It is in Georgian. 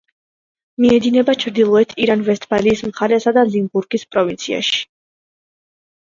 მიედინება ჩრდილოეთ რაინ-ვესტფალიის მხარესა და ლიმბურგის პროვინციაში.